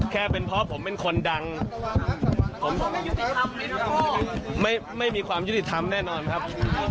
แค่เป็นเพราะผมเป็นคนดังผมไม่มีความยุติธรรมแน่นอนครับ